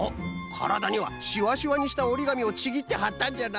からだにはしわしわにしたおりがみをちぎってはったんじゃな。